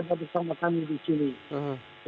kita akan menjalankan penanganan dbd secara keseluruhan